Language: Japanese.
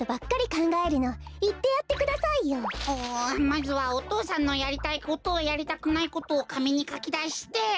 まずはお父さんのやりたいことやりたくないことをかみにかきだして。